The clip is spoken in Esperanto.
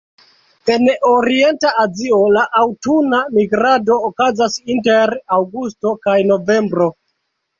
En orienta Azio, la aŭtuna migrado okazas inter aŭgusto kaj novembro.